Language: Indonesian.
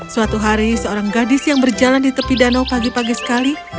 suatu hari seorang gadis yang berjalan di tepi danau pagi pagi sekali